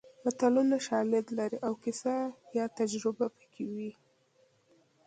متلونه شالید لري او کیسه یا تجربه پکې وي